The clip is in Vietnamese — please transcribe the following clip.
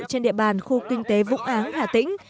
trên địa bàn khu kinh tế vũng áng hà tĩnh